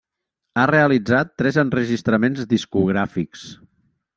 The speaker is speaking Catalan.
Ha realitzat tres enregistraments discogràfics.